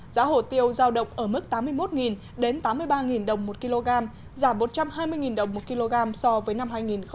giá hổ tiêu giao động ở mức tám mươi một đến tám mươi ba đồng một kg giảm một trăm hai mươi đồng một kg so với năm hai nghìn một mươi bảy